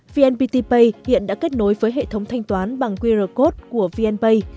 vnpt pay hiện đã kết nối với hệ thống thanh toán bằng qr code của vnpay